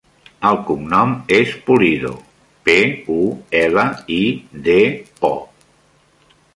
El cognom és Pulido: pe, u, ela, i, de, o.